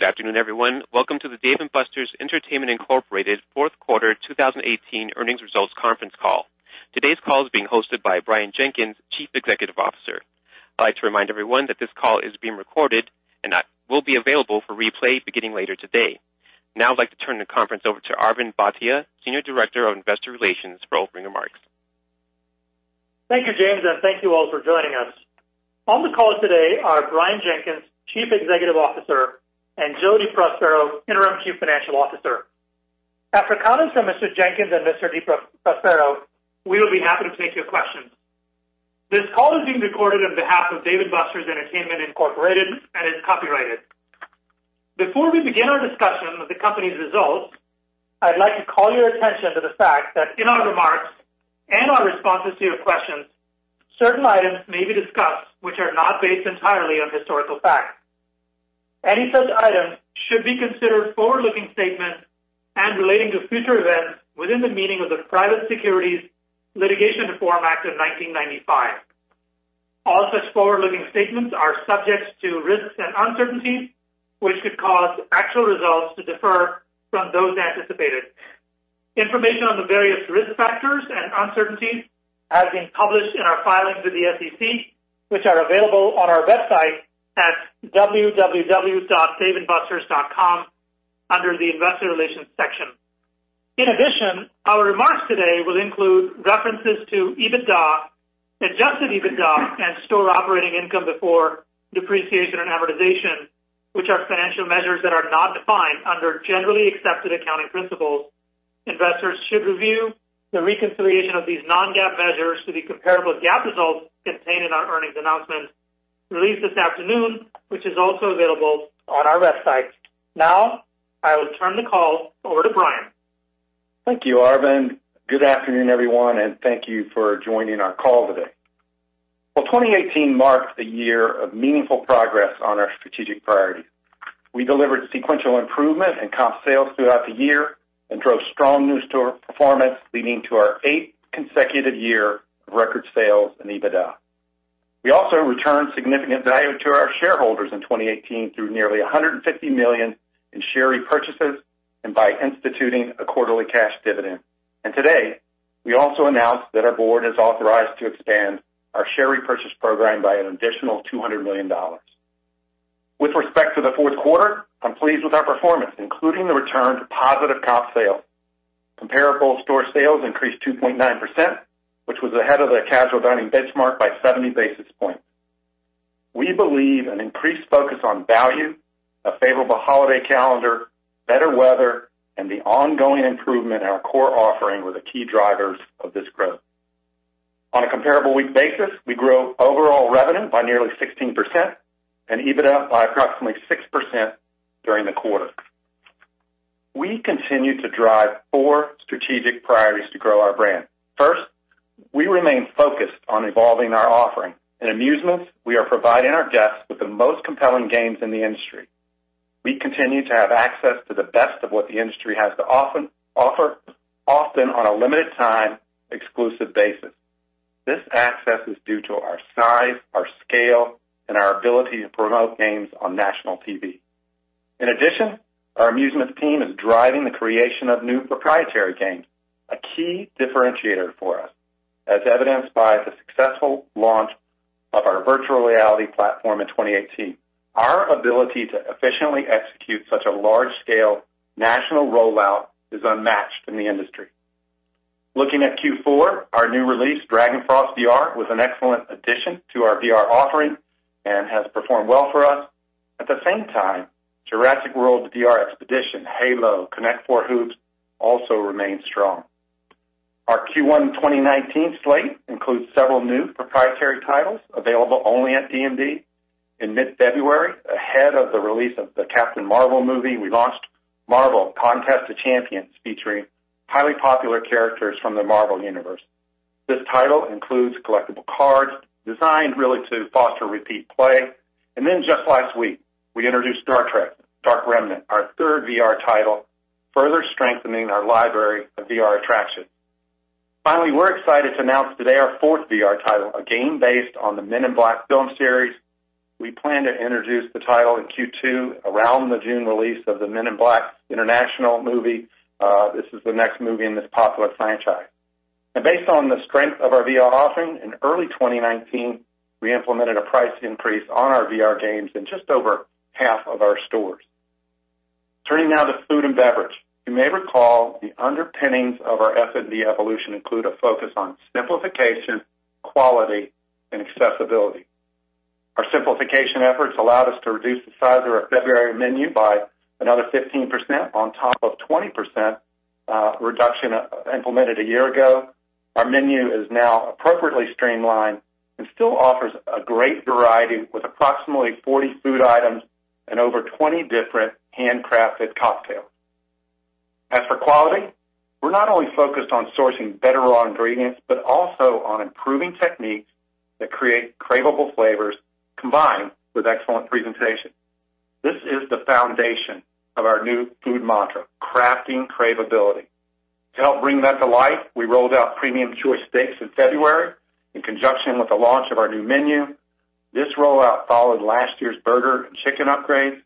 Good afternoon, everyone. Welcome to the Dave & Buster's Entertainment Incorporated Fourth Quarter 2018 Earnings Results Conference Call. Today's call is being hosted by Brian Jenkins, Chief Executive Officer. I'd like to remind everyone that this call is being recorded and will be available for replay beginning later today. I'd like to turn the conference over to Arvind Bhatia, Senior Director of Investor Relations, for opening remarks. Thank you, James, and thank you all for joining us. On the call today are Brian Jenkins, Chief Executive Officer, and Joe DeProspero, Interim Chief Financial Officer. After comments from Mr. Jenkins and Mr. Prospero, we will be happy to take your questions. This call is being recorded on behalf of Dave & Buster's Entertainment Incorporated and is copyrighted. Before we begin our discussion of the company's results, I'd like to call your attention to the fact that in our remarks and our responses to your questions, certain items may be discussed which are not based entirely on historical facts. Any such items should be considered forward-looking statements and relating to future events within the meaning of the Private Securities Litigation Reform Act of 1995. All such forward-looking statements are subject to risks and uncertainties, which could cause actual results to differ from those anticipated. Information on the various risk factors and uncertainties has been published in our filings with the SEC, which are available on our website at www.daveandbusters.com under the Investor Relations section. In addition, our remarks today will include references to EBITDA, adjusted EBITDA, and store operating income before depreciation and amortization, which are financial measures that are not defined under generally accepted accounting principles. Investors should review the reconciliation of these non-GAAP measures to the comparable GAAP results contained in our earnings announcement released this afternoon, which is also available on our website. I will turn the call over to Brian. Thank you, Arvind. Good afternoon, everyone, and thank you for joining our call today. Well, 2018 marked a year of meaningful progress on our strategic priorities. We delivered sequential improvement in comp sales throughout the year and drove strong new store performance, leading to our eighth consecutive year of record sales and EBITDA. We also returned significant value to our shareholders in 2018 through nearly $150 million in share repurchases and by instituting a quarterly cash dividend. Today, we also announced that our board has authorized to expand our share repurchase program by an additional $200 million. With respect to the fourth quarter, I'm pleased with our performance, including the return to positive comp sales. Comparable store sales increased 2.9%, which was ahead of the casual dining benchmark by 70 basis points. We believe an increased focus on value, a favorable holiday calendar, better weather, and the ongoing improvement in our core offering were the key drivers of this growth. On a comparable week basis, we grew overall revenue by nearly 16% and EBITDA by approximately 6% during the quarter. We continue to drive four strategic priorities to grow our brand. First, we remain focused on evolving our offering. In amusements, we are providing our guests with the most compelling games in the industry. We continue to have access to the best of what the industry has to offer, often on a limited time, exclusive basis. This access is due to our size, our scale, and our ability to promote games on national TV. Our amusements team is driving the creation of new proprietary games, a key differentiator for us, as evidenced by the successful launch of our virtual reality platform in 2018. Our ability to efficiently execute such a large-scale national rollout is unmatched in the industry. Looking at Q4, our new release, Dragonfrost VR, was an excellent addition to our VR offering and has performed well for us. At the same time, Jurassic World VR Expedition, Halo, Connect 4 Hoops also remain strong. Our Q1 2019 slate includes several new proprietary titles available only at D&B. In mid-February, ahead of the release of the Captain Marvel, we launched Marvel: Contest of Champions, featuring highly popular characters from the Marvel universe. This title includes collectible cards designed really to foster repeat play. Just last week, we introduced Star Trek: Dark Remnant, our third VR title, further strengthening our library of VR attractions. Finally, we're excited to announce today our fourth VR title, a game based on the Men in Black film series. We plan to introduce the title in Q2 around the June release of the Men in Black: International movie. This is the next movie in this popular franchise. Based on the strength of our VR offering, in early 2019, we implemented a price increase on our VR games in just over half of our stores. Turning now to food and beverage. You may recall the underpinnings of our F&B evolution include a focus on simplification, quality, and accessibility. Our simplification efforts allowed us to reduce the size of our February menu by another 15% on top of 20% reduction implemented a year ago. Our menu is now appropriately streamlined and still offers a great variety with approximately 40 food items and over 20 different handcrafted cocktails. As for quality, we're not only focused on sourcing better raw ingredients, but also on improving techniques that create craveable flavors combined with excellent presentation. This is the foundation. Our new food mantra, crafting craveability. To help bring that to life, we rolled out premium choice steaks in February, in conjunction with the launch of our new menu. This rollout followed last year's burger and chicken upgrade.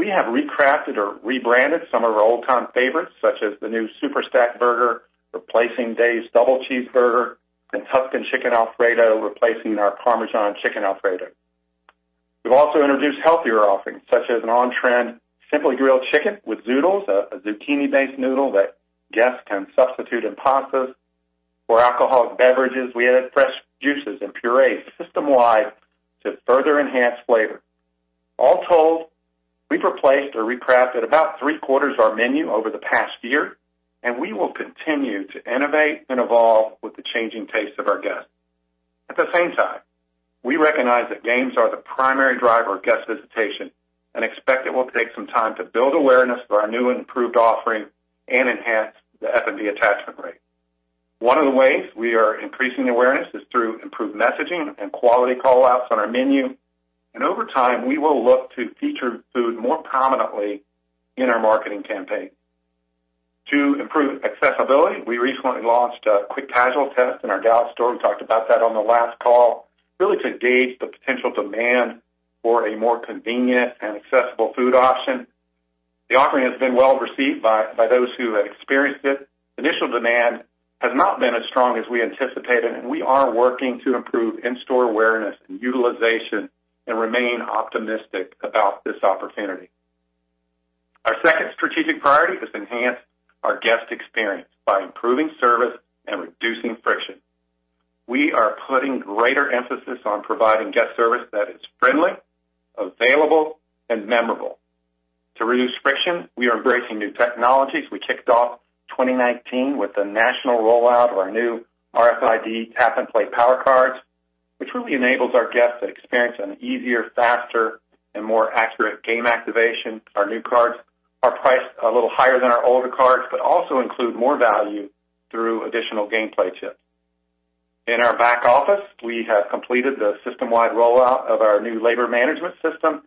We have recrafted or rebranded some of our old time favorites, such as the new Super Stack Burger, replacing Dave's Double Cheeseburger, and Tuscan Chicken Alfredo, replacing our Parmesan Chicken Alfredo. We've also introduced healthier offerings, such as an on-trend Simply Grilled Chicken with zoodles, a zucchini-based noodle that guests can substitute in pastas. For alcoholic beverages, we added fresh juices and purees system-wide to further enhance flavor. All told, we've replaced or recrafted about three-quarters of our menu over the past year, and we will continue to innovate and evolve with the changing tastes of our guests. At the same time, we recognize that games are the primary driver of guest visitation and expect it will take some time to build awareness for our new and improved offering and enhance the F&B attachment rate. One of the ways we are increasing awareness is through improved messaging and quality call-outs on our menu. Over time, we will look to feature food more prominently in our marketing campaign. To improve accessibility, we recently launched a quick casual test in our Dallas store, we talked about that on the last call, really to gauge the potential demand for a more convenient and accessible food option. The offering has been well received by those who have experienced it. Initial demand has not been as strong as we anticipated, and we are working to improve in-store awareness and utilization and remain optimistic about this opportunity. Our second strategic priority is to enhance our guest experience by improving service and reducing friction. We are putting greater emphasis on providing guest service that is friendly, available, and memorable. To reduce friction, we are embracing new technologies. We kicked off 2019 with a national rollout of our new RFID Tap-and-Play Power Cards, which really enables our guests to experience an easier, faster, and more accurate game activation. Our new cards are priced a little higher than our older cards, also include more value through additional gameplay chips. In our back office, we have completed the system-wide rollout of our new labor management system.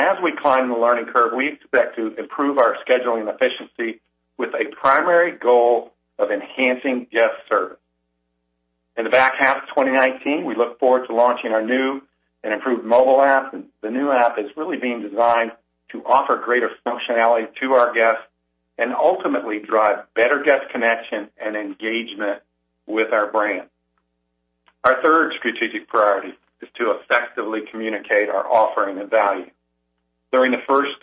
As we climb the learning curve, we expect to improve our scheduling efficiency with a primary goal of enhancing guest service. In the back half of 2019, we look forward to launching our new and improved mobile app. The new app is really being designed to offer greater functionality to our guests and ultimately drive better guest connection and engagement with our brand. Our third strategic priority is to effectively communicate our offering and value. During the first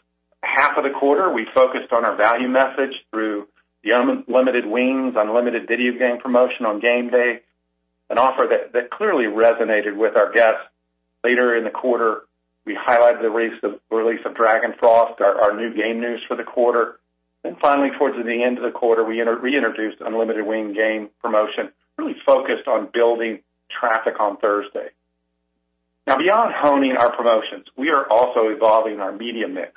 half of the quarter, we focused on our value message through the unlimited wings, unlimited video game promotion on game day, an offer that clearly resonated with our guests. Later in the quarter, we highlighted the release of Dragonfrost, our new game news for the quarter. Finally, towards the end of the quarter, we reintroduced the unlimited wing game promotion, really focused on building traffic on Thursday. Beyond honing our promotions, we are also evolving our media mix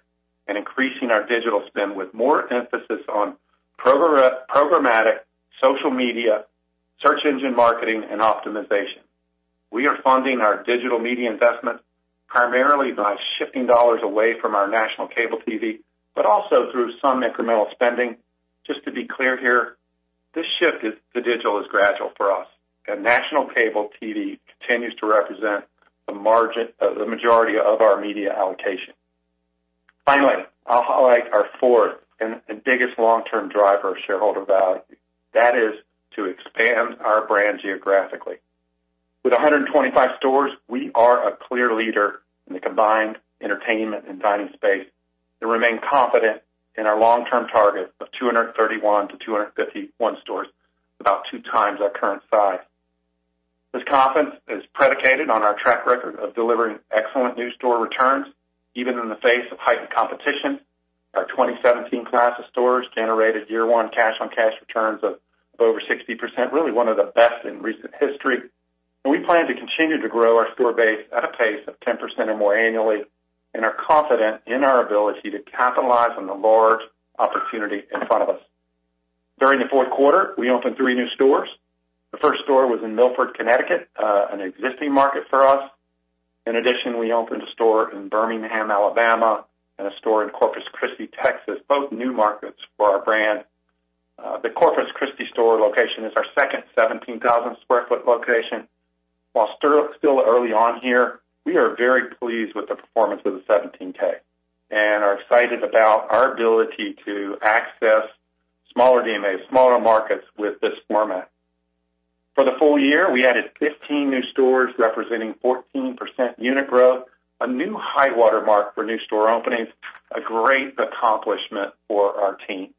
and increasing our digital spend with more emphasis on programmatic social media, search engine marketing, and optimization. We are funding our digital media investment primarily by shifting dollars away from our national cable TV, also through some incremental spending. Just to be clear here, this shift to digital is gradual for us, and national cable TV continues to represent the majority of our media allocation. I'll highlight our fourth and biggest long-term driver of shareholder value. That is to expand our brand geographically. With 125 stores, we are a clear leader in the combined entertainment and dining space and remain confident in our long-term target of 231-251 stores, about two times our current size. This confidence is predicated on our track record of delivering excellent new store returns, even in the face of heightened competition. Our 2017 class of stores generated year-one cash-on-cash returns of over 60%, really one of the best in recent history. We plan to continue to grow our store base at a pace of 10% or more annually and are confident in our ability to capitalize on the large opportunity in front of us. During the fourth quarter, we opened three new stores. The first store was in Milford, Connecticut, an existing market for us. In addition, we opened a store in Birmingham, Alabama, and a store in Corpus Christi, Texas, both new markets for our brand. The Corpus Christi store location is our second 17,000 sq ft location. While still early on here, we are very pleased with the performance of the 17K and are excited about our ability to access smaller DMAs, smaller markets with this format. For the full year, we added 15 new stores representing 14% unit growth, a new high water mark for new store openings, a great accomplishment for our team.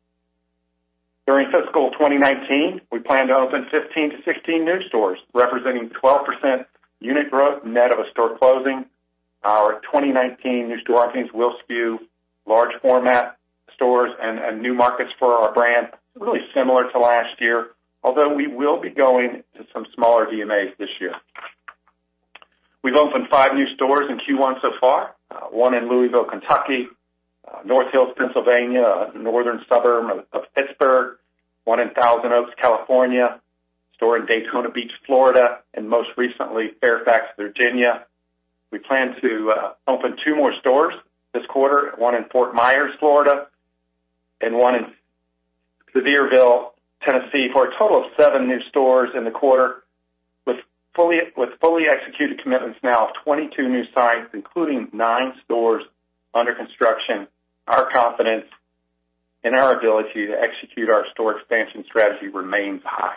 During fiscal 2019, we plan to open 15-16 new stores, representing 12% unit growth net of a store closing. Our 2019 new store openings will skew large format stores and new markets for our brand, really similar to last year, although we will be going to some smaller DMAs this year. We've opened five new stores in Q1 so far, one in Louisville, Kentucky, North Hills, Pennsylvania, a northern suburb of Pittsburgh, one in Thousand Oaks, California, a store in Daytona Beach, Florida, and most recently, Fairfax, Virginia. We plan to open two more stores this quarter, one in Fort Myers, Florida, and one in Sevierville, Tennessee, for a total of seven new stores in the quarter with fully executed commitments now of 22 new sites, including nine stores under construction. Our confidence in our ability to execute our store expansion strategy remains high.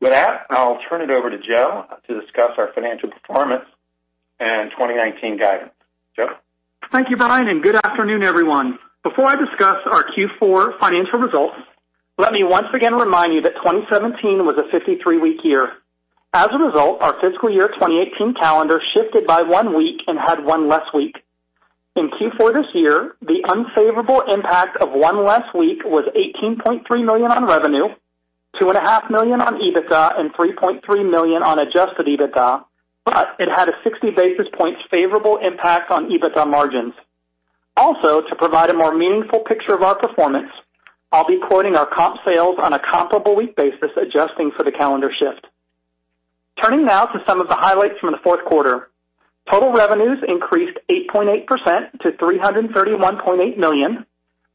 With that, I'll turn it over to Joe to discuss our financial performance and 2019 guidance. Joe. Thank you, Brian, and good afternoon, everyone. Before I discuss our Q4 financial results, let me once again remind you that 2017 was a 53-week year. As a result, our fiscal year 2018 calendar shifted by one week and had one less week. In Q4 this year, the unfavorable impact of one less week was $18.3 million on revenue, $2.5 million on EBITDA and $3.3 million on adjusted EBITDA, but it had a 60 basis points favorable impact on EBITDA margins. Also, to provide a more meaningful picture of our performance, I'll be quoting our comp sales on a comparable week basis, adjusting for the calendar shift. Turning now to some of the highlights from the fourth quarter. Total revenues increased 8.8% to $331.8 million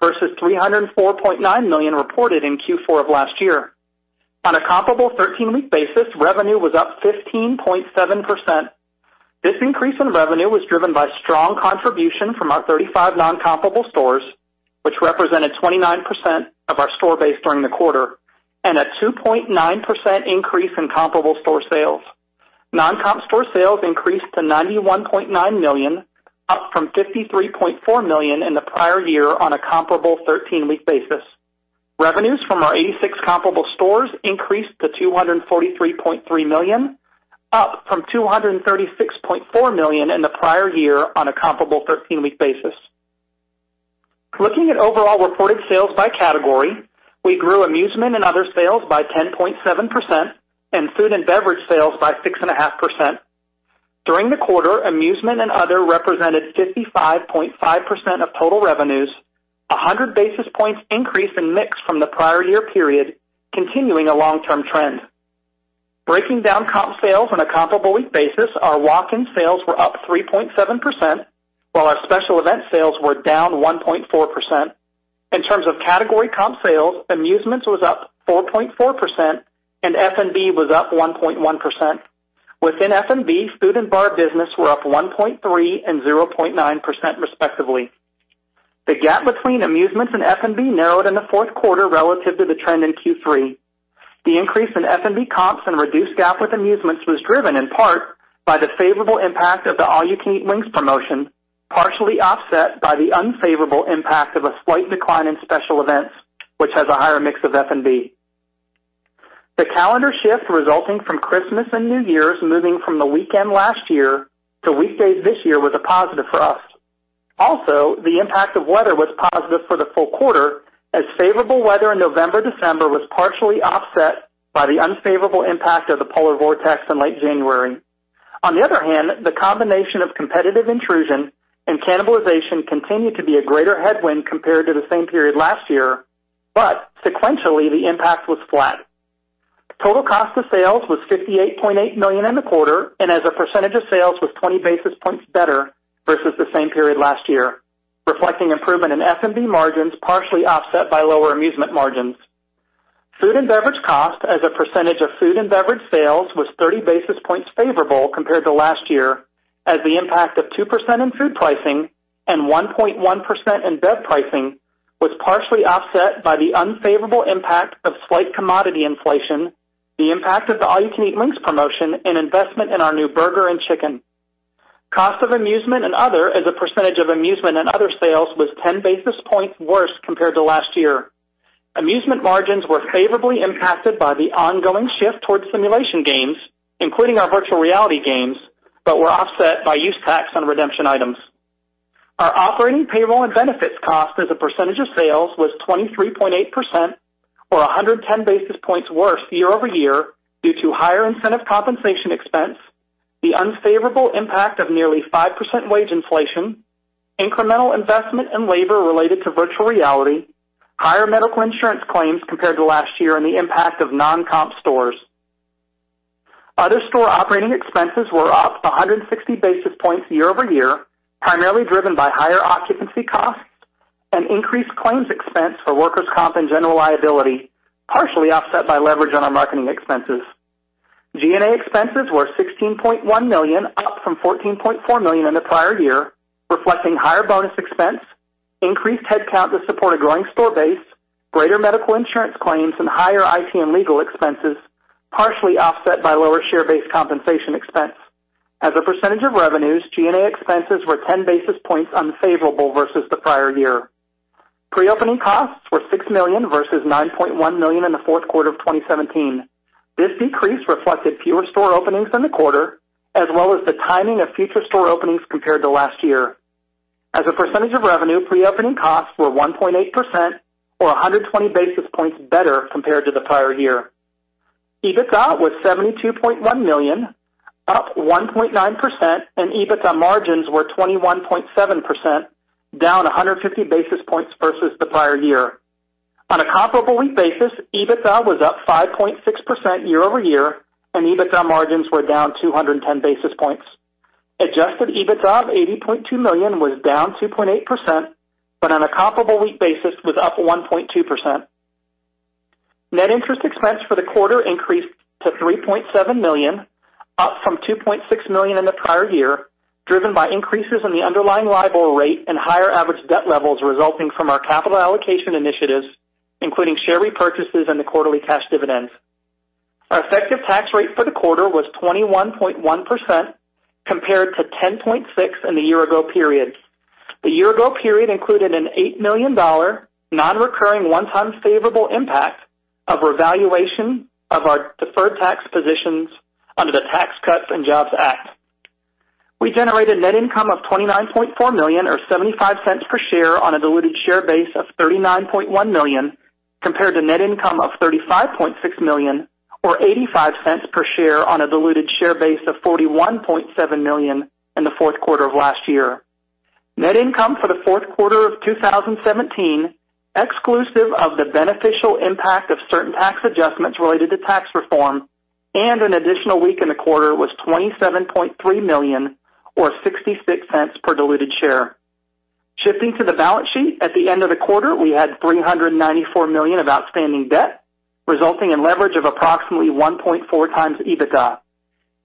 versus $304.9 million reported in Q4 of last year. On a comparable 13-week basis, revenue was up 15.7%. This increase in revenue was driven by strong contribution from our 35 non-comparable stores, which represented 29% of our store base during the quarter, and a 2.9% increase in comparable store sales. Non-comp store sales increased to $91.9 million, up from $53.4 million in the prior year on a comparable 13-week basis. Revenues from our 86 comparable stores increased to $243.3 million, up from $236.4 million in the prior year on a comparable 13-week basis. Looking at overall reported sales by category, we grew amusement and other sales by 10.7% and food and beverage sales by 6.5%. During the quarter, amusement and other represented 55.5% of total revenues, 100 basis points increase in mix from the prior year period, continuing a long-term trend. Breaking down comp sales on a comparable week basis, our walk-in sales were up 3.7%, while our special event sales were down 1.4%. In terms of category comp sales, amusements was up 4.4% and F&B was up 1.1%. Within F&B, food and bar business were up 1.3% and 0.9%, respectively. The gap between amusements and F&B narrowed in the fourth quarter relative to the trend in Q3. The increase in F&B comps and reduced gap with amusements was driven in part by the favorable impact of the All You Can Eat Wings promotion, partially offset by the unfavorable impact of a slight decline in special events, which has a higher mix of F&B. The calendar shift resulting from Christmas and New Year's moving from the weekend last year to weekdays this year was a positive for us. The impact of weather was positive for the full quarter, as favorable weather in November, December was partially offset by the unfavorable impact of the polar vortex in late January. The combination of competitive intrusion and cannibalization continued to be a greater headwind compared to the same period last year, sequentially, the impact was flat. Total cost of sales was $58.8 million in the quarter, and as a percentage of sales was 20 basis points better versus the same period last year, reflecting improvement in F&B margins, partially offset by lower amusement margins. Food and beverage cost as a percentage of food and beverage sales was 30 basis points favorable compared to last year, as the impact of 2% in food pricing and 1.1% in bev pricing was partially offset by the unfavorable impact of slight commodity inflation, the impact of the All You Can Eat Wings promotion, and investment in our new burger and chicken. Cost of amusement and other as a percentage of amusement and other sales was 10 basis points worse compared to last year. Amusement margins were favorably impacted by the ongoing shift towards simulation games, including our virtual reality games, were offset by use tax on redemption items. Our operating payroll and benefits cost as a percentage of sales was 23.8%, or 110 basis points worse year-over-year due to higher incentive compensation expense, the unfavorable impact of nearly 5% wage inflation, incremental investment in labor related to virtual reality, higher medical insurance claims compared to last year, and the impact of non-comp stores. Other store operating expenses were up 160 basis points year-over-year, primarily driven by higher occupancy costs and increased claims expense for workers' comp and general liability, partially offset by leverage on our marketing expenses. G&A expenses were $16.1 million, up from $14.4 million in the prior year, reflecting higher bonus expense, increased head count to support a growing store base, greater medical insurance claims, and higher IT and legal expenses, partially offset by lower share-based compensation expense. As a percentage of revenues, G&A expenses were 10 basis points unfavorable versus the prior year. Pre-opening costs were $6 million versus $9.1 million in the fourth quarter of 2017. This decrease reflected fewer store openings in the quarter, as well as the timing of future store openings compared to last year. As a percentage of revenue, pre-opening costs were 1.8%, or 120 basis points better compared to the prior year. EBITDA was $72.1 million, up 1.9%, and EBITDA margins were 21.7%, down 150 basis points versus the prior year. On a comparable week basis, EBITDA was up 5.6% year-over-year, and EBITDA margins were down 210 basis points. Adjusted EBITDA of $80.2 million was down 2.8%, but on a comparable week basis was up 1.2%. Net interest expense for the quarter increased to $3.7 million, up from $2.6 million in the prior year, driven by increases in the underlying LIBOR rate and higher average debt levels resulting from our capital allocation initiatives, including share repurchases and the quarterly cash dividends. Our effective tax rate for the quarter was 21.1%, compared to 10.6% in the year ago period. The year ago period included an $8 million non-recurring one-time favorable impact of revaluation of our deferred tax positions under the Tax Cuts and Jobs Act. We generated net income of $29.4 million, or $0.75 per share on a diluted share base of 39.1 million, compared to net income of $35.6 million or $0.85 per share on a diluted share base of 41.7 million in the fourth quarter of last year. Net income for the fourth quarter of 2017, exclusive of the beneficial impact of certain tax adjustments related to tax reform and an additional week in the quarter, was $27.3 million or $0.66 per diluted share. Shifting to the balance sheet, at the end of the quarter, we had $394 million of outstanding debt, resulting in leverage of approximately 1.4x EBITDA.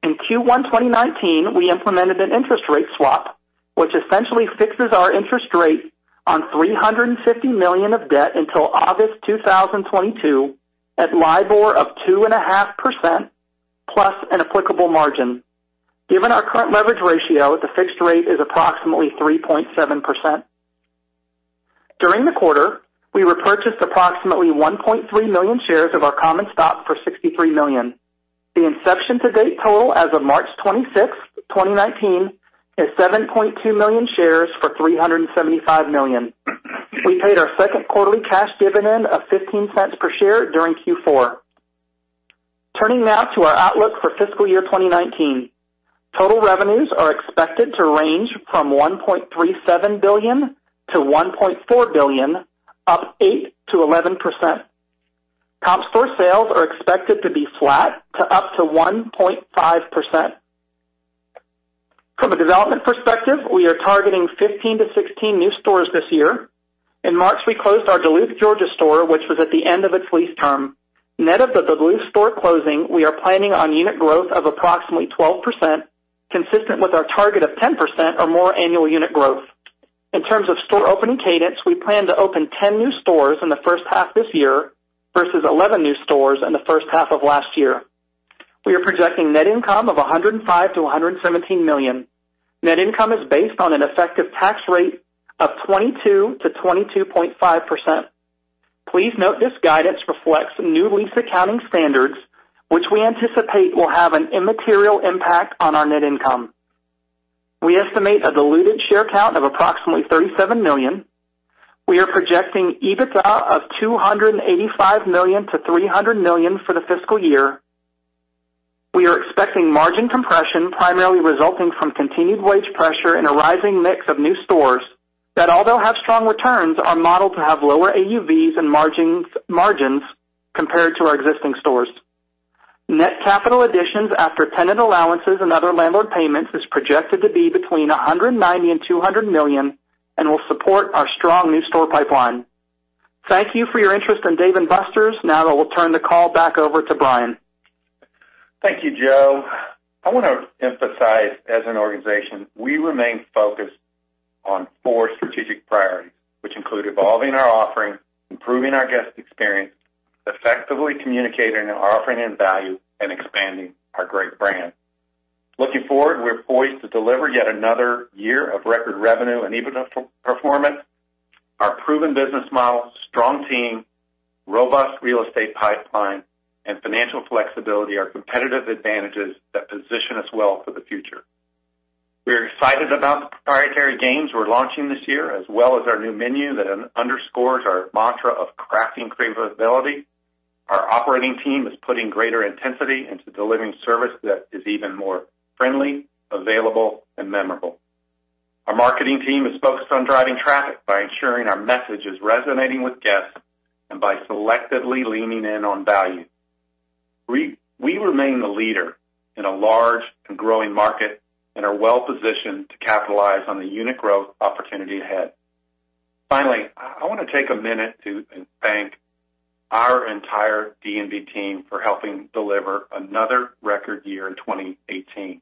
In Q1 2019, we implemented an interest rate swap, which essentially fixes our interest rate on $350 million of debt until August 2022 at LIBOR of 2.5% plus an applicable margin. Given our current leverage ratio, the fixed rate is approximately 3.7%. During the quarter, we repurchased approximately 1.3 million shares of our common stock for $63 million. The inception to date total as of March 26, 2019, is 7.2 million shares for $375 million. We paid our second quarterly cash dividend of $0.15 per share during Q4. Turning now to our outlook for fiscal year 2019. Total revenues are expected to range from $1.37 billion-$1.4 billion, up 8%-11%. Comp store sales are expected to be flat to up to 1.5%. From a development perspective, we are targeting 15 to 16 new stores this year. In March, we closed our Duluth, Georgia store, which was at the end of its lease term. Net of the Duluth store closing, we are planning on unit growth of approximately 12%, consistent with our target of 10% or more annual unit growth. In terms of store opening cadence, we plan to open 10 new stores in the first half this year versus 11 new stores in the first half of last year. We are projecting net income of $105 million-$117 million. Net income is based on an effective tax rate of 22%-22.5%. Please note this guidance reflects new lease accounting standards, which we anticipate will have an immaterial impact on our net income. We estimate a diluted share count of approximately 37 million. We are projecting EBITDA of $285 million-$300 million for the fiscal year. We are expecting margin compression primarily resulting from continued wage pressure and a rising mix of new stores that, although have strong returns, are modeled to have lower AUVs and margins compared to our existing stores. Net capital additions after tenant allowances and other landlord payments is projected to be between $190 million and $200 million and will support our strong new store pipeline. Thank you for your interest in Dave & Buster's. I will turn the call back over to Brian. Thank you, Joe. I want to emphasize, as an organization, we remain focused on four strategic priorities, which include evolving our offering, improving our guest experience, effectively communicating our offering and value, and expanding our great brand. Looking forward, we are poised to deliver yet another year of record revenue and EBITDA performance. Our proven business model, strong team, robust real estate pipeline, and financial flexibility are competitive advantages that position us well for the future. We are excited about the proprietary games we're launching this year, as well as our new menu that underscores our mantra of crafting craveability. Our operating team is putting greater intensity into delivering service that is even more friendly, available, and memorable. Our marketing team is focused on driving traffic by ensuring our message is resonating with guests and by selectively leaning in on value. We remain the leader in a large and growing market and are well positioned to capitalize on the unit growth opportunity ahead. Finally, I want to take a minute to thank our entire D&B team for helping deliver another record year in 2018.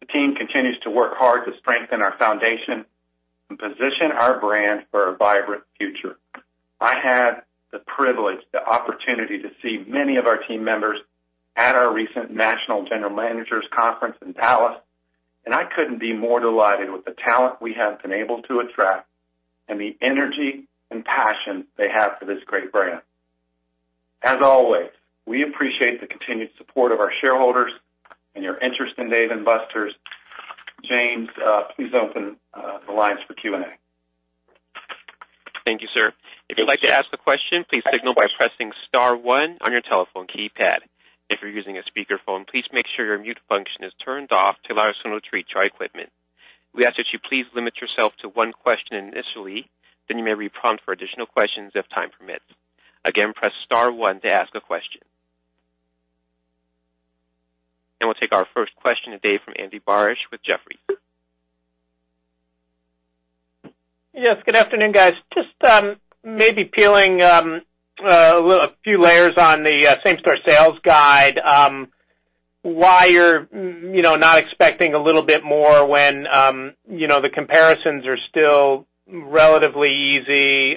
The team continues to work hard to strengthen our foundation and position our brand for a vibrant future. I had the privilege, the opportunity to see many of our team members at our recent National General Managers Conference in Dallas, and I couldn't be more delighted with the talent we have been able to attract and the energy and passion they have for this great brand. As always, we appreciate the continued support of our shareholders and your interest in Dave & Buster's. James, please open the lines for Q&A. If you would like to ask a question, please signal by pressing star one on your telephone keypad. If you are using a speakerphone, please make sure your mute function is turned off to allow our central to reach our equipment. We ask that you please limit yourself to one question initially, then you may be prompted for additional questions if time permits. Again, press star one to ask a question. We will take our first question today from Andy Barish with Jefferies. Yes. Good afternoon, guys. Just maybe peeling a few layers on the same-store sales guide, why you are not expecting a little bit more when the comparisons are still relatively easy. You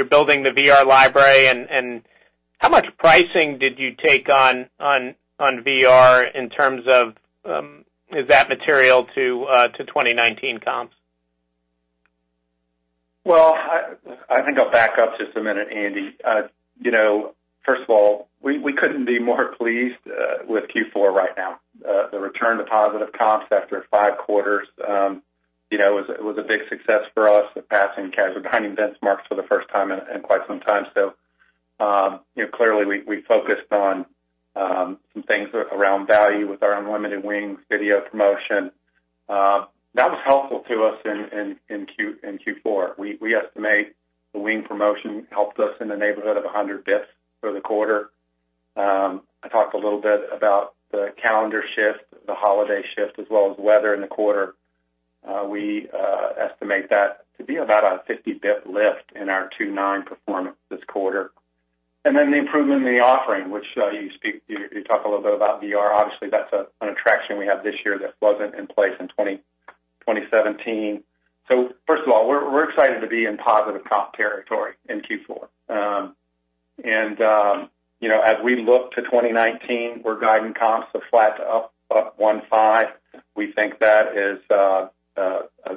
are building the VR library and how much pricing did you take on VR in terms of, is that material to 2019 comps? I think I will back up just a minute, Andy. First of all, we could not be more pleased with Q4 right now. The return to positive comps after five quarters was a big success for us, surpassing casual dining benchmarks for the first time in quite some time. Clearly we focused on some things around value with our All You Can Eat Wings video promotion. That was helpful to us in Q4. We estimate the wing promotion helped us in the neighborhood of 100 basis points for the quarter. I talked a little bit about the calendar shift, the holiday shift, as well as weather in the quarter. We estimate that to be about a 50 basis point lift in our 29 performance this quarter. The improvement in the offering, which you talk a little bit about VR. Obviously, that is an attraction we have this year that was not in place in 2017. First of all, we are excited to be in positive comp territory in Q4. As we look to 2019, we are guiding comps of flat to up 1.5. We think that is a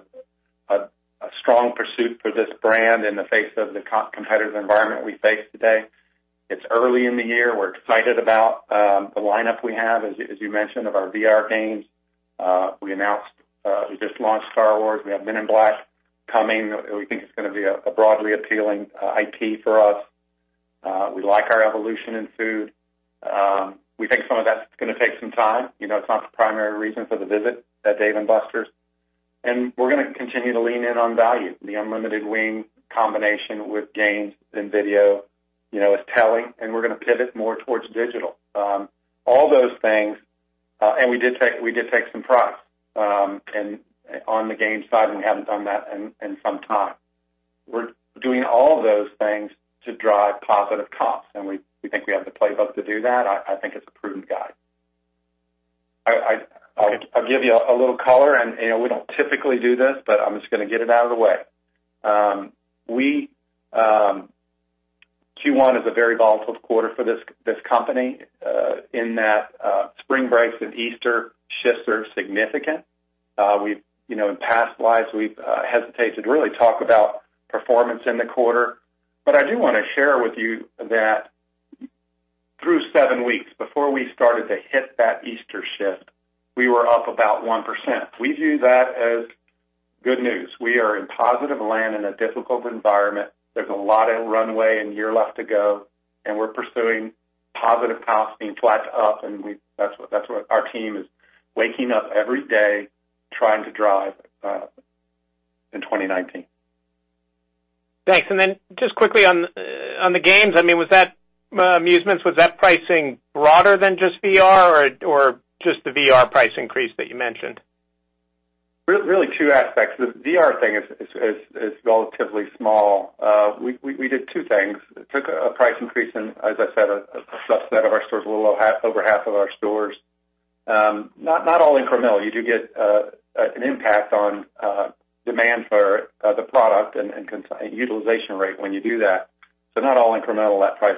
strong pursuit for this brand in the face of the competitive environment we face today. It is early in the year. We are excited about the lineup we have, as you mentioned, of our VR games. We just launched "Star Wars." We have "Men in Black" coming. We think it is going to be a broadly appealing IP for us. We like our evolution in food. We think some of that is going to take some time. It is not the primary reason for the visit at Dave & Buster's, and we are going to continue to lean in on value. The unlimited wing combination with games and video is telling, and we're going to pivot more towards digital. All those things, and we did take some price on the games side, and we haven't done that in some time. We're doing all those things to drive positive comps, and we think we have the playbook to do that. I think it's a prudent guide. I'll give you a little color, and we don't typically do this, but I'm just going to get it out of the way. Q1 is a very volatile quarter for this company in that spring breaks and Easter shifts are significant. In past lives, we've hesitated to really talk about performance in the quarter. I do want to share with you that through seven weeks before we started to hit that Easter shift, we were up about 1%. We view that as good news. We are in positive land in a difficult environment. There's a lot of runway and year left to go, and we're pursuing positive comps being flat up, and that's what our team is waking up every day trying to drive in 2019. Thanks. Then just quickly on the games, amusements, was that pricing broader than just VR or just the VR price increase that you mentioned? Really two aspects. The VR thing is relatively small. We did two things. We took a price increase in, as I said, a subset of our stores, a little over half of our stores. Not all incremental. You do get an impact on demand for the product and utilization rate when you do that. Not all incremental, that price.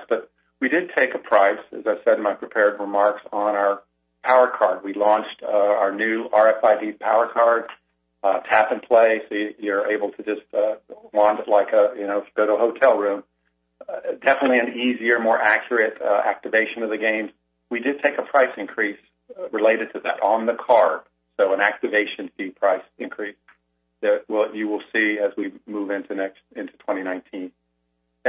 We did take a price, as I said in my prepared remarks, on our Power Card. We launched our new RFID Power Card, tap and play. You're able to just wand it like if you go to a hotel room. Definitely an easier, more accurate activation of the games. We did take a price increase related to that on the card. An activation fee price increase that you will see as we move into 2019. We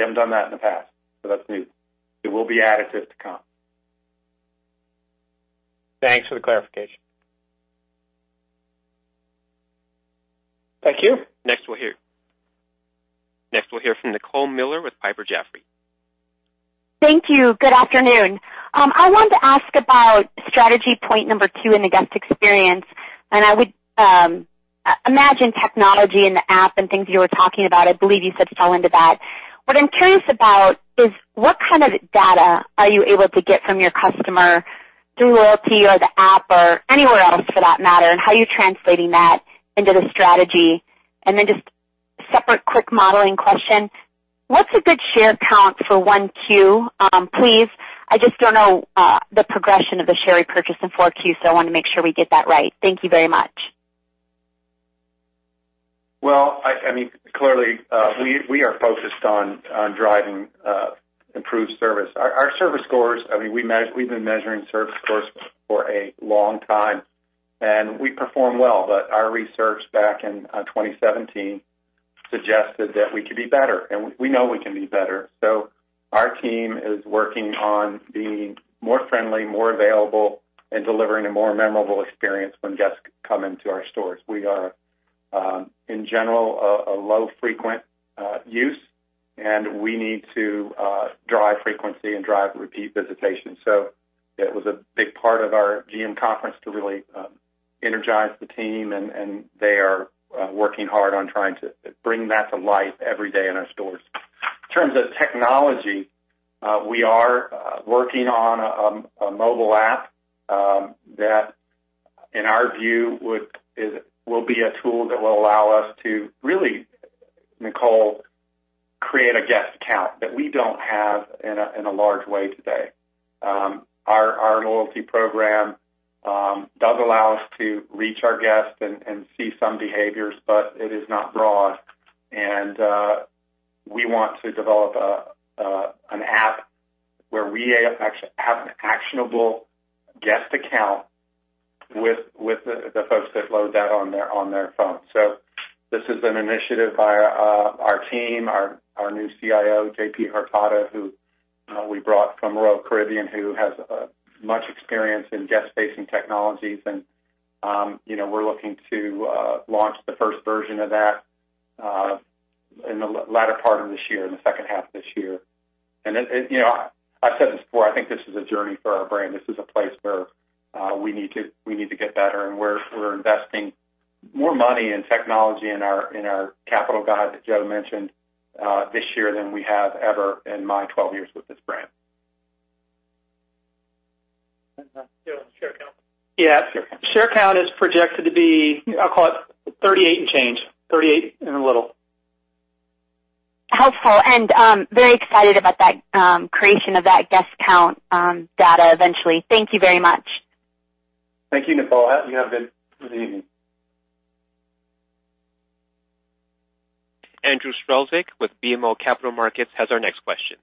haven't done that in the past, so that's new. It will be additive to comp. Thanks for the clarification. Thank you. Next, we'll hear from Nicole Miller with Piper Jaffray. Thank you. Good afternoon. I wanted to ask about strategy point number two in the guest experience. I would imagine technology and the app and things you were talking about, I believe you said fell into that. What I'm curious about is what kind of data are you able to get from your customer through loyalty or the app or anywhere else for that matter. How are you translating that into the strategy? Just a separate quick modeling question. What's a good share count for 1Q, please? I just don't know the progression of the share repurchase in 4Q. I want to make sure we get that right. Thank you very much. Well, clearly we are focused on driving improved service. Our service scores, we've been measuring service scores for a long time. We perform well. Our research back in 2017 suggested that we could be better. We know we can be better. Our team is working on being more friendly, more available, and delivering a more memorable experience when guests come into our stores. We are, in general, a low frequent use. We need to drive frequency and drive repeat visitation. It was a big part of our GM conference to really energize the team. They are working hard on trying to bring that to life every day in our stores. In terms of technology, we are working on a mobile app that, in our view, will be a tool that will allow us to really, Nicole, create a guest count that we don't have in a large way today. Our loyalty program does allow us to reach our guests and see some behaviors. It is not broad. We want to develop an app where we have actionable guest account with the folks that load that on their phone. This is an initiative by our team, our new CIO, JP Hurtado, who we brought from Royal Caribbean, who has much experience in guest-facing technologies. We're looking to launch the first version of that in the latter part of this year, in the second half of this year. I've said this before, I think this is a journey for our brand. This is a place where we need to get better. We're investing more money in technology in our capital guide that Joe mentioned this year than we have ever in my 12 years with this brand. Joe, share count. Yeah. Share count is projected to be, I'll call it 38 and change, 38 and a little. Helpful, very excited about that creation of that guest count data eventually. Thank you very much. Thank you, Nicole. You have a good evening. Andrew Strelzik with BMO Capital Markets has our next question.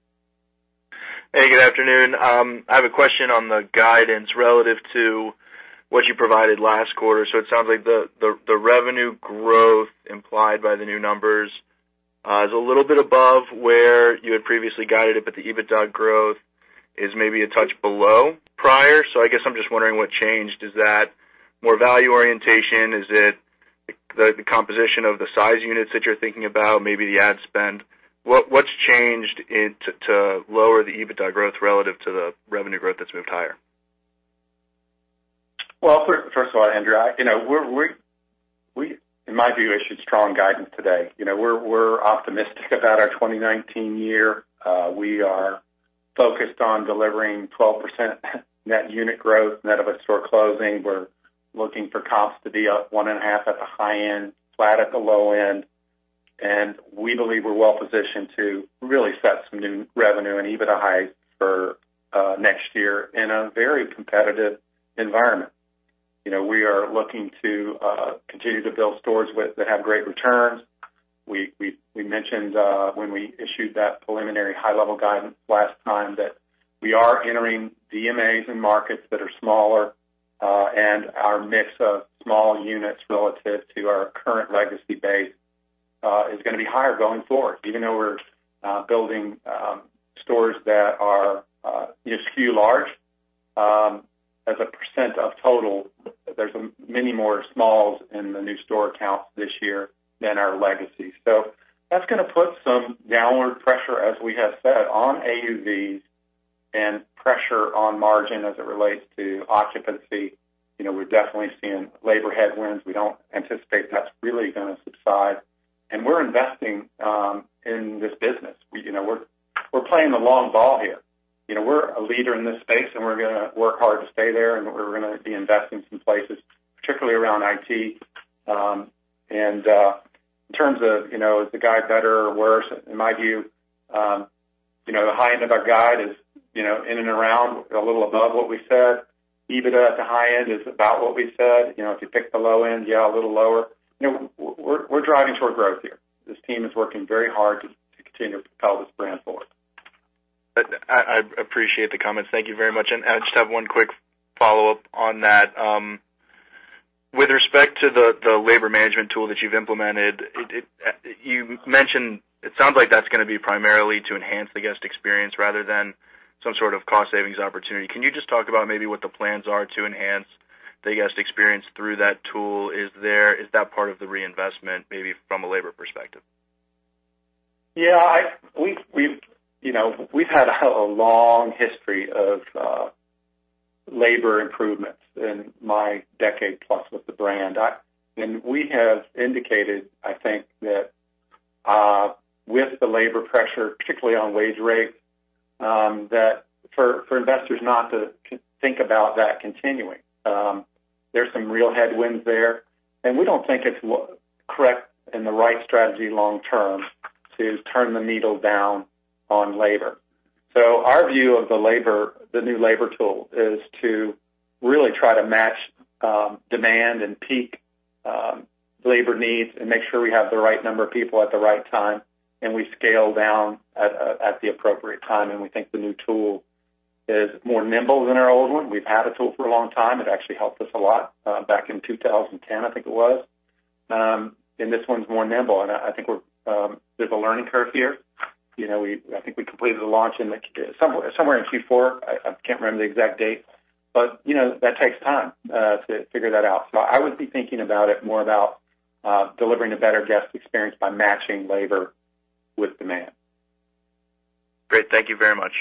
Hey, good afternoon. It sounds like the revenue growth implied by the new numbers is a little bit above where you had previously guided it, but the EBITDA growth is maybe a touch below prior. I guess I'm just wondering what changed. Is that more value orientation? Is it the composition of the size units that you're thinking about, maybe the ad spend? What's changed to lower the EBITDA growth relative to the revenue growth that's moved higher? First of all, Andrew, in my view, issued strong guidance today. We're optimistic about our 2019 year. We are focused on delivering 12% net unit growth, net of a store closing. We're looking for comps to be up 1.5% at the high end, flat at the low end. We believe we're well positioned to really set some new revenue and EBITDA highs for next year in a very competitive environment. We are looking to continue to build stores that have great returns. We mentioned when we issued that preliminary high-level guidance last time that we are entering DMAs and markets that are smaller, and our mix of small units relative to our current legacy base is going to be higher going forward. Even though we're building stores that are fewer large, as a percentage of total, there's many more smalls in the new store count this year than our legacy. That's going to put some downward pressure, as we have said, on AUVs and pressure on margin as it relates to occupancy. We're definitely seeing labor headwinds. We don't anticipate that's really going to subside. We're investing in this business. We're playing the long ball here. We're a leader in this space, and we're going to work hard to stay there, and we're going to be investing some places, particularly around IT. In terms of, is the guide better or worse? In my view, the high end of our guide is in and around a little above what we said. EBITDA at the high end is about what we said. If you pick the low end, yeah, a little lower. We're driving towards growth here. This team is working very hard to continue to propel this brand forward. I appreciate the comments. Thank you very much. I just have one quick follow-up on that. With respect to the labor management tool that you've implemented, you mentioned it sounds like that's going to be primarily to enhance the guest experience rather than some sort of cost savings opportunity. Can you just talk about maybe what the plans are to enhance the guest experience through that tool? Is that part of the reinvestment, maybe from a labor perspective? Yeah. We've had a long history of labor improvements in my decade plus with the brand. We have indicated, I think, that with the labor pressure, particularly on wage rates, that for investors not to think about that continuing. There's some real headwinds there, and we don't think it's correct and the right strategy long term to turn the needle down on labor. Our view of the new labor tool is to really try to match demand and peak labor needs and make sure we have the right number of people at the right time, and we scale down at the appropriate time. We think the new tool is more nimble than our old one. We've had a tool for a long time. It actually helped us a lot back in 2010, I think it was. This one's more nimble, and I think there's a learning curve here. I think we completed the launch somewhere in Q4. I can't remember the exact date, but that takes time to figure that out. I would be thinking about it more about delivering a better guest experience by matching labor with demand. Great. Thank you very much.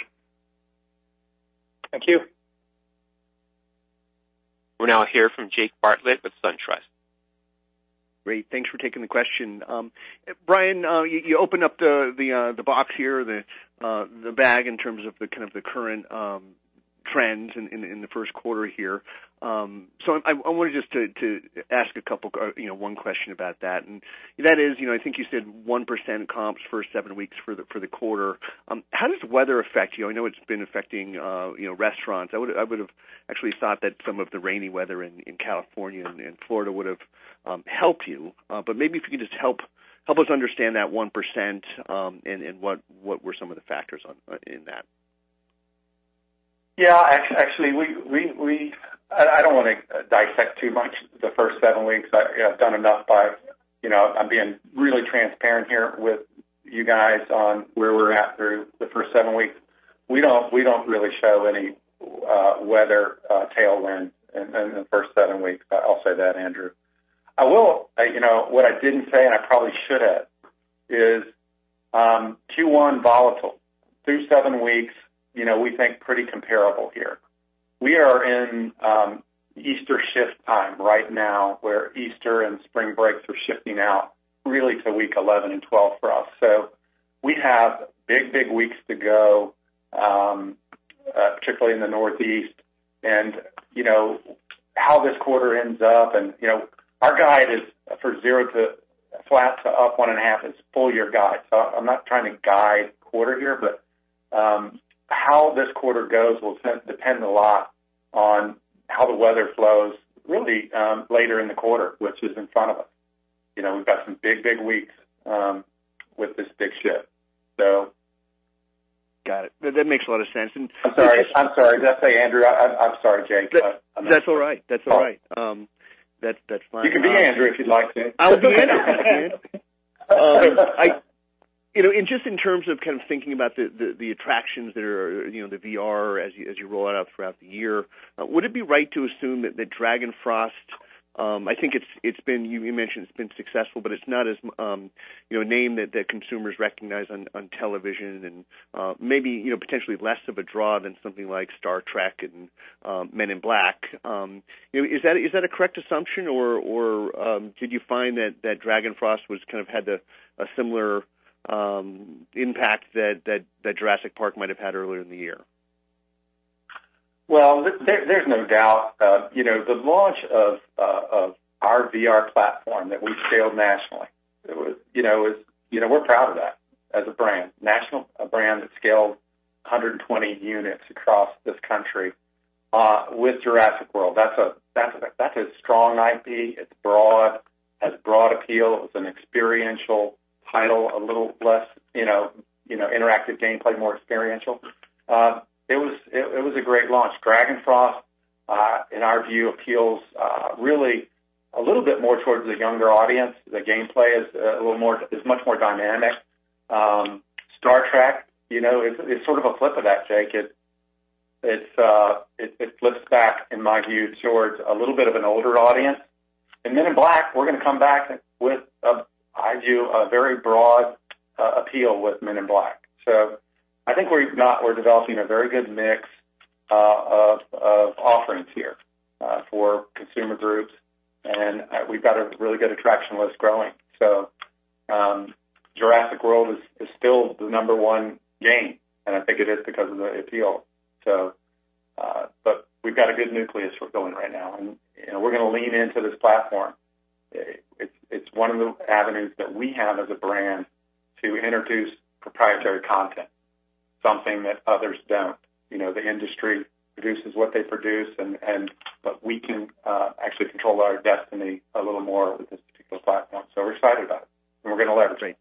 Thank you. We'll now hear from Jake Bartlett with SunTrust. Thanks for taking the question. Brian, you opened up the box here, the bag in terms of the kind of the current trends in the first quarter here. I wanted just to ask one question about that, and that is, I think you said 1% comps first seven weeks for the quarter. How does weather affect you? I know it's been affecting restaurants. I would have actually thought that some of the rainy weather in California and Florida would have helped you. Maybe if you could just help us understand that 1% and what were some of the factors in that. Yeah. Actually, I don't want to dissect too much the first seven weeks. I've done enough by, I'm being really transparent here with you guys on where we're at through the first seven weeks. We don't really show any weather tailwind in the first seven weeks. I'll say that, Andrew. What I didn't say, and I probably should have, is Q1 volatile. Through seven weeks, we think pretty comparable here. We are in Easter shift time right now, where Easter and spring breaks are shifting out really to week 11 and 12 for us. We have big weeks to go, particularly in the Northeast and how this quarter ends up and our guide is for zero to flat to up one and a half. It's a full-year guide. I'm not trying to guide quarter here, how this quarter goes will depend a lot on how the weather flows really later in the quarter, which is in front of us. We've got some big weeks with this big shift. Got it. That makes a lot of sense. I'm sorry. Did I say Andrew? I'm sorry, Jake. That's all right. You can be Andrew if you'd like to. I'll be Andrew. Just in terms of kind of thinking about the attractions that are, the VR as you roll out throughout the year, would it be right to assume that Dragonfrost, I think you mentioned it's been successful, but it's not a name that consumers recognize on television and maybe potentially less of a draw than something like Star Trek and Men in Black. Is that a correct assumption, or did you find that Dragonfrost kind of had a similar impact that Jurassic World might have had earlier in the year? There's no doubt. The launch of our VR platform that we scaled nationally, we're proud of that as a brand. A brand that scaled 120 units across this country with Jurassic World. That's a strong IP. It's broad, has broad appeal. It was an experiential title, a little less interactive gameplay, more experiential. It was a great launch. Dragonfrost, in our view, appeals really a little bit more towards the younger audience. The gameplay is much more dynamic. Star Trek is sort of a flip of that, Jake. It flips back, in my view, towards a little bit of an older audience. Men in Black, we're going to come back with, I view, a very broad appeal with Men in Black. I think we're developing a very good mix of offerings here for consumer groups, and we've got a really good attraction list growing. Jurassic World is still the number one game, and I think it is because of the appeal. We've got a good nucleus we're going right now, and we're going to lean into this platform. It's one of the avenues that we have as a brand to introduce proprietary content, something that others don't. The industry produces what they produce, but we can actually control our destiny a little more with this particular platform. We're excited about it, and we're going to leverage it.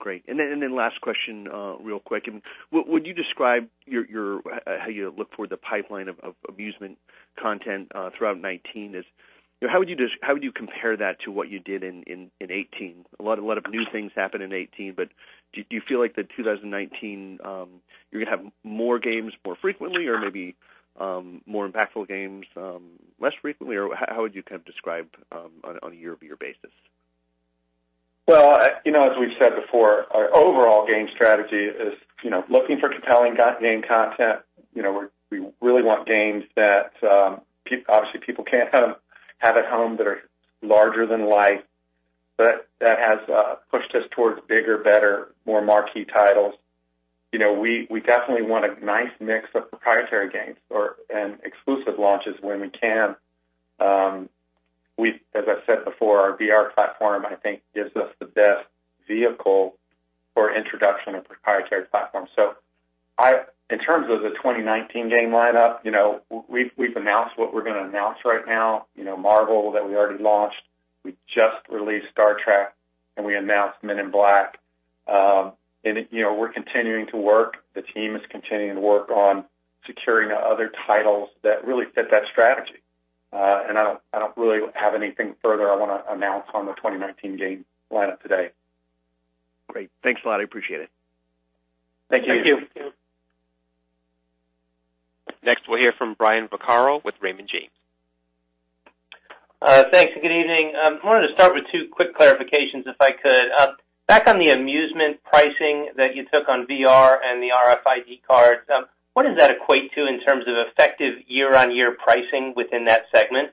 Great. Last question real quick. Would you describe how you look toward the pipeline of amusement content throughout 2019? How would you compare that to what you did in 2018? A lot of new things happened in 2018, do you feel like the 2019, you're going to have more games more frequently or maybe more impactful games less frequently? How would you kind of describe on a year-over-year basis? As we've said before, our overall game strategy is looking for compelling game content. We really want games that obviously people can't have at home, that are larger than life. That has pushed us towards bigger, better, more marquee titles. We definitely want a nice mix of proprietary games and exclusive launches when we can. As I said before, our VR platform, I think, gives us the best vehicle for introduction of proprietary platforms. In terms of the 2019 game lineup, we've announced what we're going to announce right now. Marvel that we already launched. We just released Star Trek, and we announced Men in Black. We're continuing to work, the team is continuing to work on securing other titles that really fit that strategy. I don't really have anything further I want to announce on the 2019 game lineup today. Great. Thanks a lot. I appreciate it. Thank you. Thank you. Next, we'll hear from Brian Vaccaro with Raymond James. Thanks. Good evening. I wanted to start with two quick clarifications, if I could. Back on the amusement pricing that you took on VR and the RFID cards, what does that equate to in terms of effective year-on-year pricing within that segment?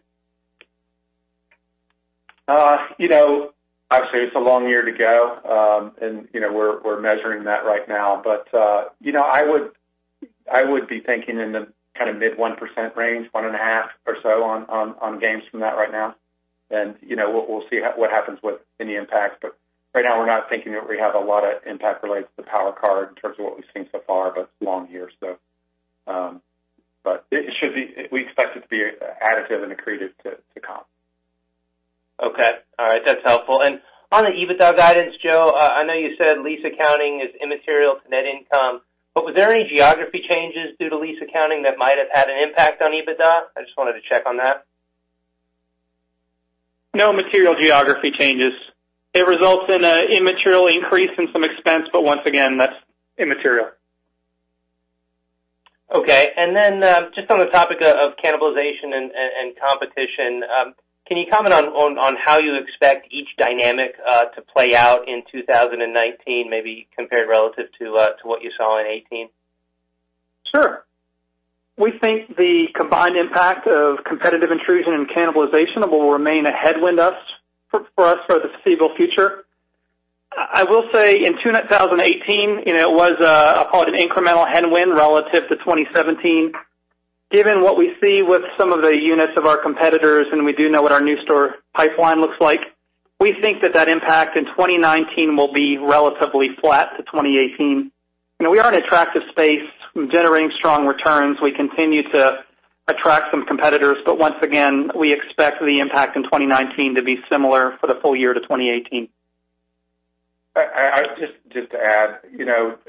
Obviously, it's a long year to go, and we're measuring that right now. I would be thinking in the kind of mid 1% range, one and a half or so on games from that right now. We'll see what happens with any impact. Right now, we're not thinking that we have a lot of impact related to the Power Card in terms of what we've seen so far, but it's a long year, so. We expect it to be additive and accretive to comp. Okay. All right. That's helpful. On the EBITDA guidance, Joe, I know you said lease accounting is immaterial to net income, but was there any geography changes due to lease accounting that might have had an impact on EBITDA? I just wanted to check on that. No material geography changes. It results in an immaterial increase in some expense, but once again, that's immaterial. Okay. Just on the topic of cannibalization and competition, can you comment on how you expect each dynamic to play out in 2019, maybe compared relative to what you saw in 2018? Sure. We think the combined impact of competitive intrusion and cannibalization will remain a headwind for us for the foreseeable future. I will say in 2018, it was an incremental headwind relative to 2017. Given what we see with some of the units of our competitors, and we do know what our new store pipeline looks like, we think that that impact in 2019 will be relatively flat to 2018. We are an attractive space generating strong returns. We continue to attract some competitors, but once again, we expect the impact in 2019 to be similar for the full year to 2018. Just to add,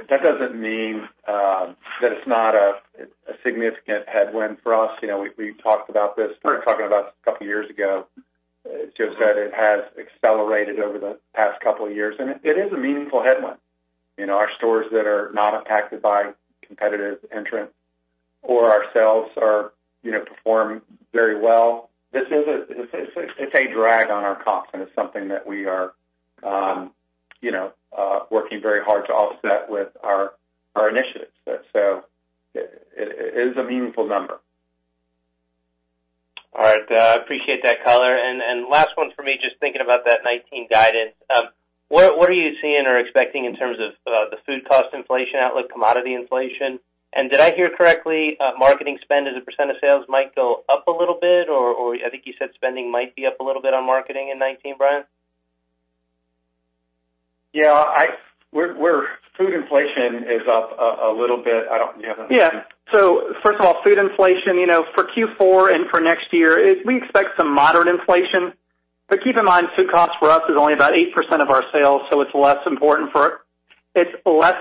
that doesn't mean that it's not a significant headwind for us. We've talked about this. We were talking about this a couple of years ago. It's just that it has accelerated over the past couple of years, and it is a meaningful headwind. Our stores that are not impacted by competitive entrants or ourselves perform very well. It's a drag on our comp, and it's something that we are working very hard to offset with our initiatives. It is a meaningful number. All right. I appreciate that color. Last one for me, just thinking about that 2019 guidance. What are you seeing or expecting in terms of the food cost inflation outlook, commodity inflation? Did I hear correctly, marketing spend as a percentage of sales might go up a little bit, or I think you said spending might be up a little bit on marketing in 2019, Brian? Food inflation is up a little bit. I don't know if you have anything. First of all, food inflation, for Q4 and for next year, we expect some moderate inflation. Keep in mind, food cost for us is only about 8% of our sales, so it's less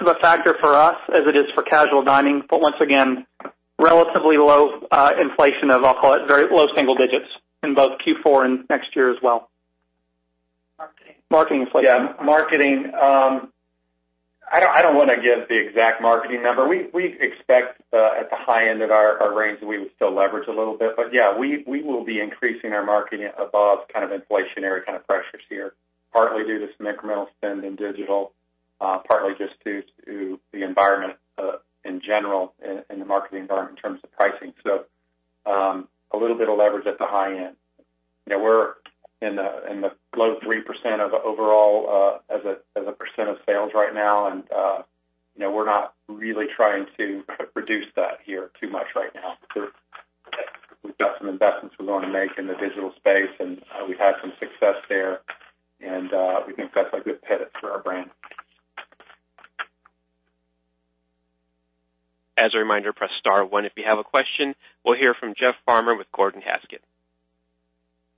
of a factor for us as it is for casual dining. Once again, relatively low inflation of, I'll call it very low single digits in both Q4 and next year as well. Marketing. Marketing inflation. Marketing. I don't want to give the exact marketing number. We expect at the high end of our range that we would still leverage a little bit. We will be increasing our marketing above kind of inflationary kind of pressures here, partly due to some incremental spend in digital, partly just due to the environment in general, in the marketing environment in terms of pricing. A little bit of leverage at the high end. We're in the low 3% of overall as a percent of sales right now, and we're not really trying to reduce that here too much right now. We've got some investments we want to make in the digital space, and we've had some success there, and we think that's a good pivot for our brand. As a reminder, press star one if you have a question. We will hear from Jeff Farmer with Gordon Haskett.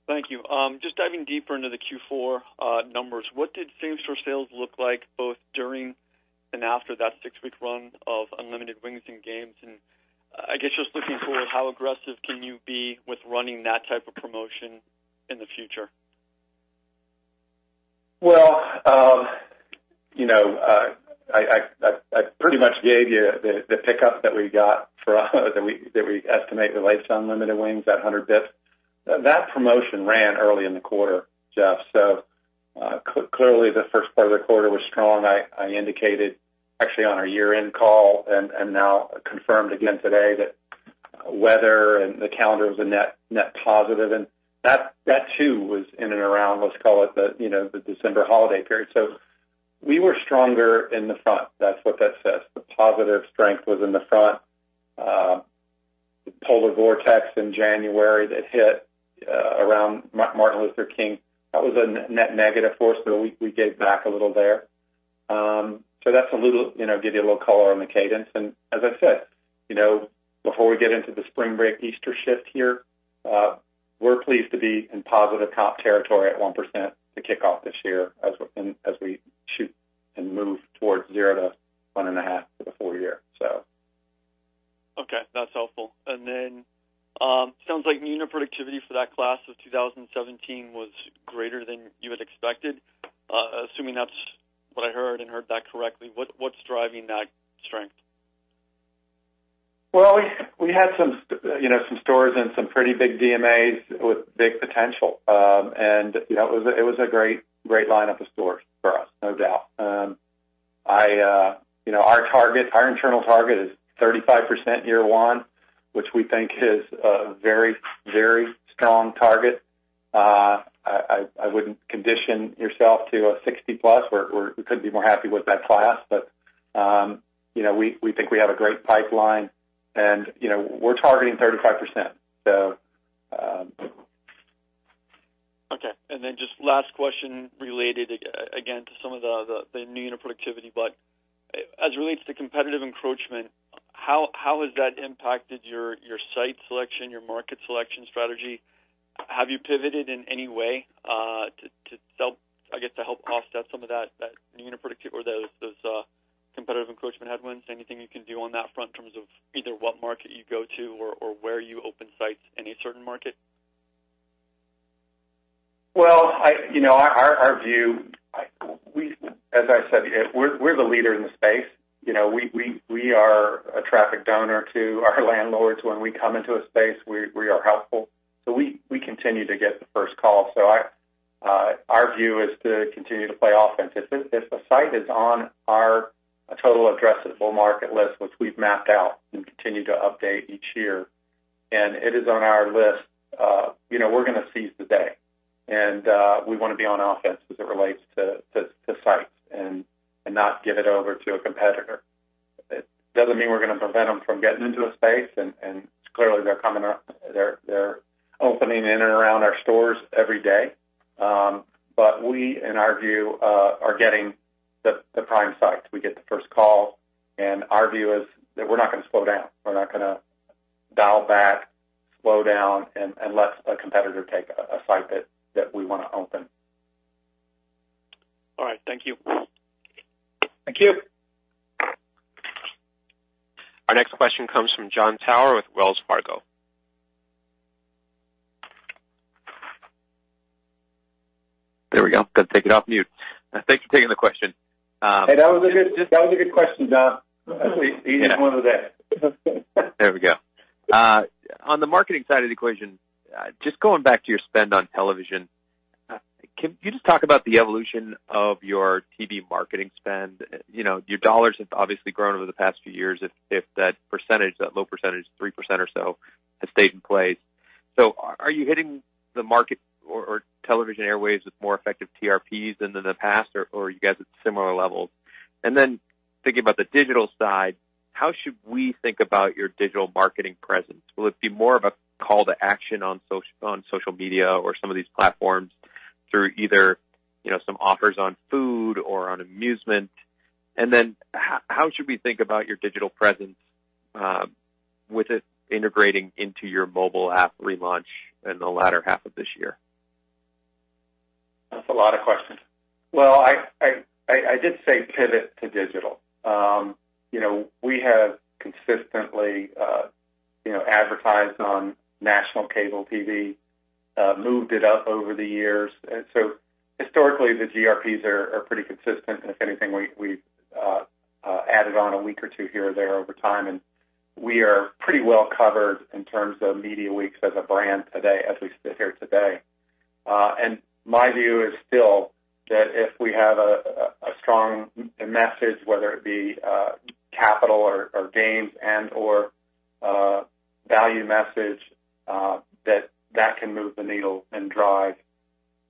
Thank you. Just diving deeper into the Q4 numbers, what did same-store sales look like both during and after that six-week run of unlimited wings and games? I guess just looking forward, how aggressive can you be with running that type of promotion in the future? Well, I pretty much gave you the pickup that we got that we estimate relates to unlimited wings, that 100 basis points. That promotion ran early in the quarter, Jeff. Clearly, the first part of the quarter was strong. I indicated actually on our year-end call and now confirmed again today that weather and the calendar was a net positive, and that too was in and around, let's call it, the December holiday period. We were stronger in the front. That is what that says. The positive strength was in the front. Polar vortex in January that hit around Martin Luther King, that was a net negative for us, so we gave back a little there. That is to give you a little color on the cadence, and as I said, before we get into the spring break Easter shift here, we are pleased to be in positive comp territory at 1% to kick off this year as we shoot and move towards 0%-1.5% for the full year. Okay. That's helpful. Sounds like new unit productivity for that class of 2017 was greater than you had expected. Assuming that's what I heard and heard that correctly, what's driving that strength? Well, we had some stores and some pretty big DMAs with big potential. It was a great lineup of stores for us, no doubt. Our internal target is 35% year one, which we think is a very strong target. I wouldn't condition yourself to a 60+, where we couldn't be more happy with that class. We think we have a great pipeline, and we're targeting 35%. Okay. Just last question related again to some of the new unit productivity. As it relates to competitive encroachment, how has that impacted your site selection, your market selection strategy? Have you pivoted in any way, I guess, to help offset some of those competitive encroachment headwinds? Anything you can do on that front in terms of either what market you go to or where you open sites in a certain market? Well, our view, as I said, we're the leader in the space. We are a traffic donor to our landlords when we come into a space. We are helpful. We continue to get the first call. Our view is to continue to play offense. If a site is on our total addressable market list, which we've mapped out and continue to update each year, and it is on our list, we're going to seize the day. We want to be on offense as it relates to sites and not give it over to a competitor. It doesn't mean we're going to prevent them from getting into a space, and clearly they're opening in and around our stores every day. We, in our view, are getting the prime sites. We get the first call, and our view is that we're not going to slow down. We're not going to dial back, slow down, and let a competitor take a site that we want to open. All right. Thank you. Thank you. Our next question comes from Jon Tower with Wells Fargo. There we go. Got to take it off mute. Thanks for taking the question. Hey, that was a good question, Jon. Need more of that. There we go. On the marketing side of the equation, just going back to your spend on television, can you just talk about the evolution of your TV marketing spend? Your dollars have obviously grown over the past few years if that percentage, that low percentage, 3% or so, has stayed in place. Are you hitting the market or television airwaves with more effective TRPs than in the past, or are you guys at similar levels? Thinking about the digital side, how should we think about your digital marketing presence? Will it be more of a call to action on social media or some of these platforms through either some offers on food or on amusement? How should we think about your digital presence with it integrating into your mobile app relaunch in the latter half of this year? That's a lot of questions. Well, I did say pivot to digital. We have consistently advertised on national cable TV, moved it up over the years. Historically, the TRPs are pretty consistent. If anything, we've added on a week or two here or there over time, and we are pretty well covered in terms of media weeks as a brand today as we sit here today. My view is still that if we have a strong message, whether it be capital or games and/or value message, that can move the needle and drive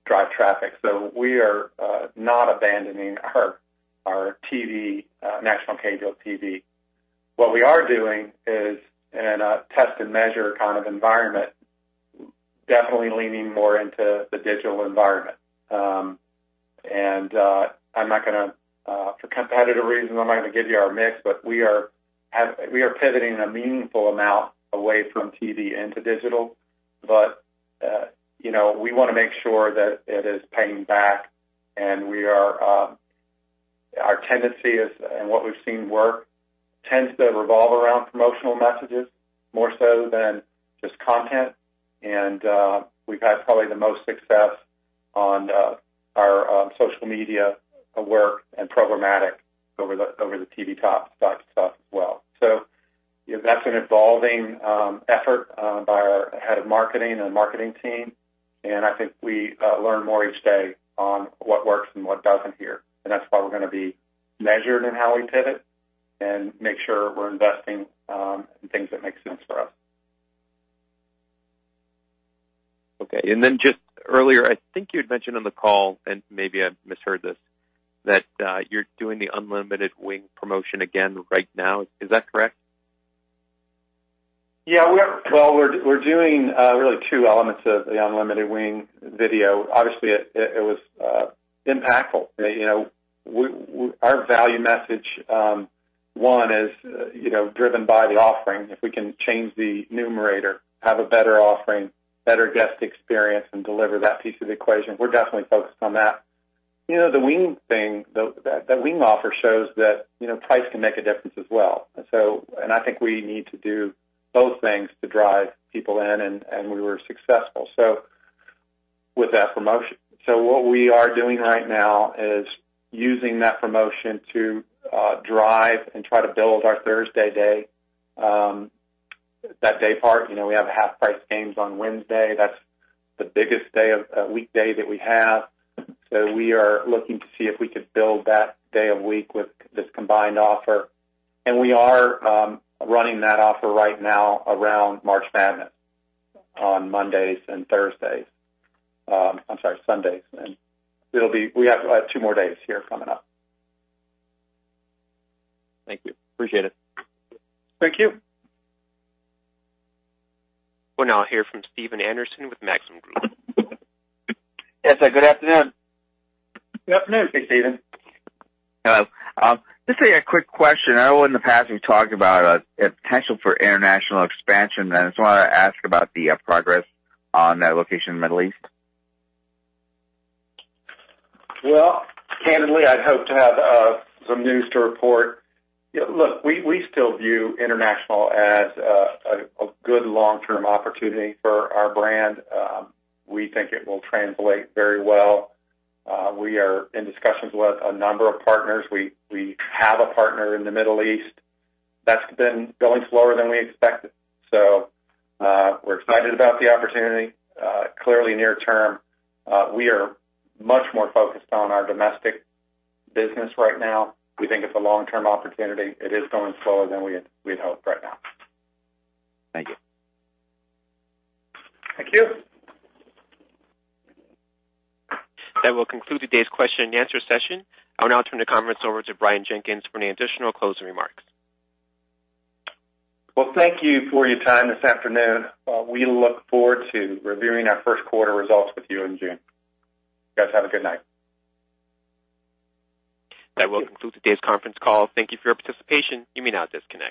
traffic. We are not abandoning our national cable TV. What we are doing is in a test and measure kind of environment, definitely leaning more into the digital environment. For competitive reasons, I'm not going to give you our mix, but we are pivoting a meaningful amount away from TV into digital. We want to make sure that it is paying back, and our tendency is, and what we've seen work tends to revolve around promotional messages more so than just content. We've had probably the most success on our social media work and programmatic over the TV top stuff as well. That's an evolving effort by our head of marketing and marketing team, and I think we learn more each day on what works and what doesn't here. That's why we're going to be measured in how we pivot and make sure we're investing in things that make sense for us. Just earlier, I think you had mentioned on the call, and maybe I misheard this, that you're doing the unlimited wing promotion again right now. Is that correct? Well, we're doing really two elements of the unlimited wing promotion. Obviously, it was impactful. Our value message, one is driven by the offering. If we can change the numerator, have a better offering, better guest experience, and deliver that piece of the equation, we're definitely focused on that. The wing offer shows that price can make a difference as well. I think we need to do both things to drive people in, and we were successful with that promotion. What we are doing right now is using that promotion to drive and try to build our Thursday day, that day part. We have half-price games on Wednesday. That's the biggest weekday that we have. We are looking to see if we could build that day of week with this combined offer. We are running that offer right now around March Madness on Mondays and Thursdays. I'm sorry, Sundays. We have two more days here coming up. Thank you. Appreciate it. Thank you. We'll now hear from Stephen Anderson with Maxim Group. Yes, sir. Good afternoon. Good afternoon. Hey, Stephen. Hello. Just a quick question. I know in the past we've talked about a potential for international expansion, and I just want to ask about the progress on that location in the Middle East. Well, candidly, I'd hoped to have some news to report. Look, we still view international as a good long-term opportunity for our brand. We think it will translate very well. We are in discussions with a number of partners. We have a partner in the Middle East. That's been going slower than we expected. We're excited about the opportunity. Clearly near term, we are much more focused on our domestic business right now. We think it's a long-term opportunity. It is going slower than we'd hoped right now. Thank you. Thank you. That will conclude today's question and answer session. I will now turn the conference over to Brian Jenkins for any additional closing remarks. Well, thank you for your time this afternoon. We look forward to reviewing our first quarter results with you in June. You guys have a good night. That will conclude today's conference call. Thank you for your participation. You may now disconnect.